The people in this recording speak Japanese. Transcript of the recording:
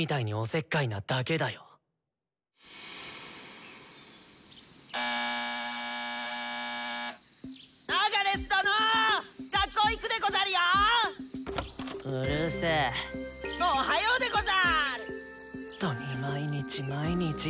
っとに毎日毎日。